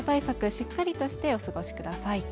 しっかりとしてお過ごしください。